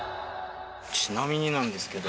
ちなみになんですけど。